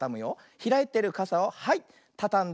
ひらいてるかさをはいたたんだ。